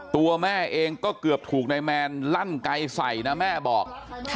ตัวแม่เองก็เกือบถูกนายแมนลั่นไกลใส่นะแม่บอก